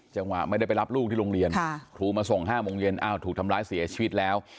ไม่ได้ไปรับลูกที่โรงเรียนครูมาส่ง๕โมงเย็นอ้าวถูกทำร้ายเสียชีวิตแล้ว